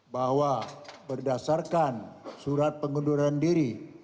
bahwa berdasarkan surat pengunduran diri